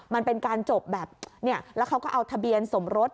มันเป็นการจบแบบเนี่ยแล้วเขาก็เอาทะเบียนสมรส